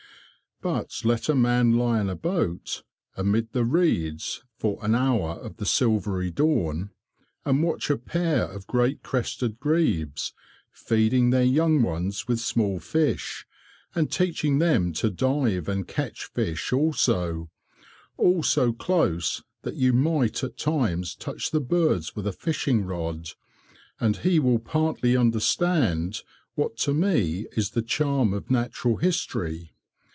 But let a man lie in a boat, amid the reeds, for an hour of the silvery dawn, and watch a pair of great crested grebes, feeding their young ones with small fish, and teaching them to dive and catch fish also, all so close that you might at times touch the birds with a fishing rod, and he will partly understand what to me is the charm of Natural History.